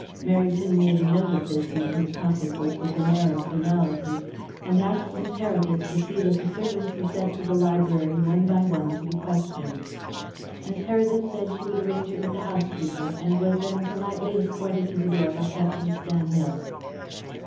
Merrington made a note of this in his pocket book with an air of finality, and asked Miss Heredith to see that the servants were sent to the library one by one, to be questioned. Miss Heredith said she would arrange it with the housekeeper, and was then politely escorted to the door by Captain Stanhill.